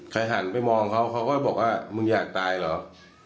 หันไปมองเขาเขาก็บอกว่ามึงอยากตายเหรอ